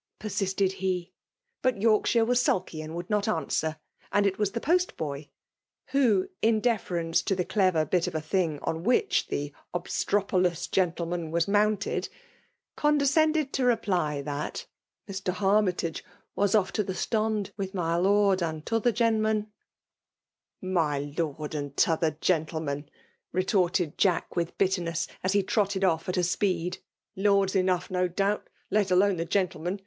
persisted he. But Yorkshire was sulky and would not answer; and it was the post boy, who, in deference to the clever bit of a thing on which the " obstropolous gemman " liras mounted, condescended to reply that " Mr* \ FKMALE VOtfiNAinOir. 51 Havmitage was off to the stoiid with my Lcrii and t'other gemtnaa." ^^ My Lord and t'other geirtlenian," retorted Jack with bitteanie8s> as he trotted off at speed* ''Lords enough, ao doubt; let alcme tlie gentfemen.